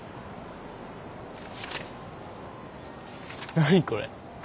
何これ？